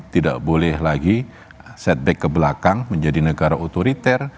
tidak boleh lagi setback ke belakang menjadi negara otoriter